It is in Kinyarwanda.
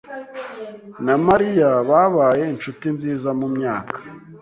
na Mariya babaye inshuti nziza mumyaka.